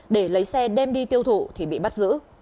để lấy xe đem đi tiêu thụ thì bị bắt giữ